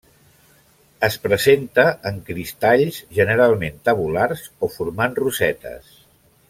Es presenta en cristalls generalment tabulars o formant rosetes.